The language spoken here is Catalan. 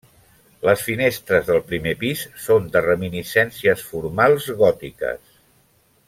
Les finestres del primer pis són de reminiscències formals gòtiques.